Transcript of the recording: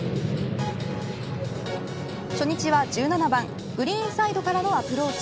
初日は１７番グリーンサイドからのアプローチ。